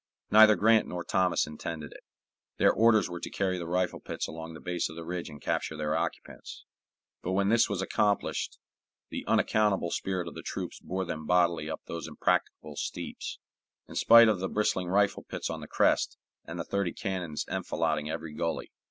Neither Grant nor Thomas intended it. Their orders were to carry the rifle pits along the base of the ridge and capture their occupants; but when this was accomplished, the unaccountable spirit of the troops bore them bodily up those impracticable steeps, in spite of the bristling rifle pits on the crest, and the thirty cannons enfilading every gully.